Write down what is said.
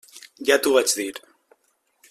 Ja t'ho vaig dir.